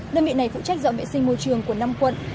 đơn vị này phụ trách dọn vệ sinh môi trường của năm quận